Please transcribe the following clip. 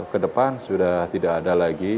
ke depan sudah tidak ada lagi